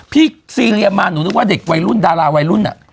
ซีเรียมาหนูนึกว่าเด็กวัยรุ่นดาราวัยรุ่นอ่ะ